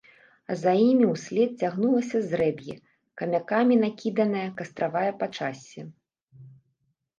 А за імі ўслед цягнулася зрэб'е, камякамі накіданае кастравае пачассе.